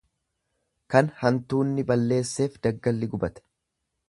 Kan hantuunni balleesseef daggalli gubate.